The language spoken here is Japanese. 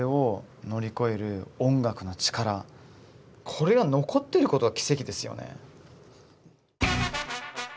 これが残ってることが奇跡ですよね。